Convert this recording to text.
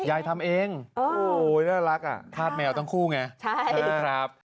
ยายทำเองโอ้โฮน่ารักอ่ะคาดแมวทั้งคู่ไงครับ